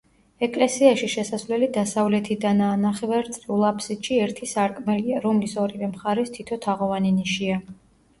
ეკლესიაში შესასვლელი დასავლეთიდანაა, ნახევარწრიულ აფსიდში ერთი სარკმელია, რომლის ორივე მხარეს თითო თაღოვანი ნიშია.